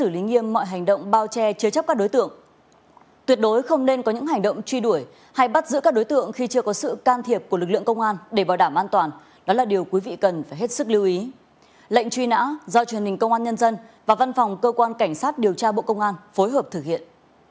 lệnh truy nã do truyền hình công an nhân dân và văn phòng cơ quan cảnh sát điều tra bộ công an phối hợp thực hiện